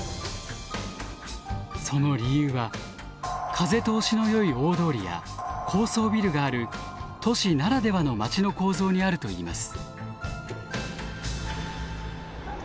その理由は風通しのよい大通りや高層ビルがある都市ならではの街の構造にあるといいます。